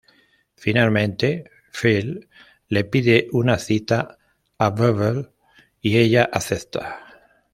Finalmente, Phil le pide una cita a Bubbles y ella acepta.